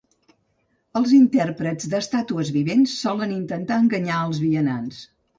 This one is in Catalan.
Els intèrprets d'estàtues vivents solen intentar enganyar als vianants.